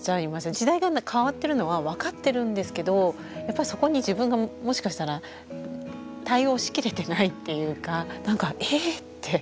時代が変わってるのは分かってるんですけどやっぱりそこに自分がもしかしたら対応しきれてないっていうかなんかえって。